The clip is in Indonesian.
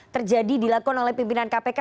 terjadi dilakukan oleh pimpinan kpk